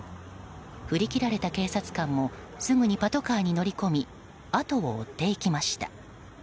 振り切られた警察官もすぐにパトカーに乗り込み後を追っていきました。